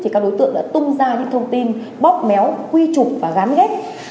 thì các đối tượng đã tung ra những thông tin bóc méo huy trục và gán ghét